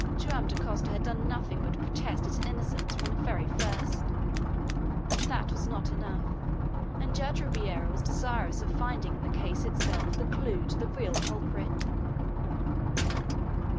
Joam Dacosta had done nothing but protest his innocence from the very first. But that was not enough, and Judge Ribeiro was desirous of finding in the case itself the clue to the real culprit.